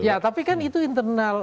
ya tapi kan itu internal